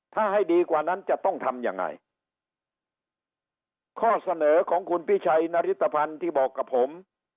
ถ้าให้ดีกว่านั้นจะต้องทำยังไงข้อเสนอของคุณพิชัยนริตภัณฑ์ที่บอกกับผม